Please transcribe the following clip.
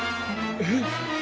えっ。